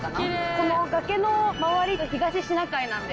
この崖の周りが東シナ海なんで。